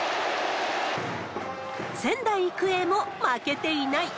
仙台育英も負けていない。